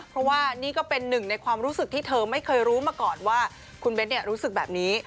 เพราะว่านี่ก็เป็นหนึ่งในความรู้สึกที่เธอไม่เคยรู้มาก่อนว่าคุณเบ้นรู้สึกแบบนี้